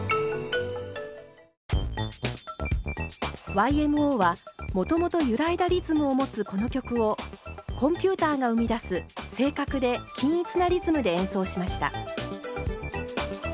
ＹＭＯはもともと揺らいだリズムを持つこの曲をコンピューターが生み出す正確で均一なリズムで演奏しました。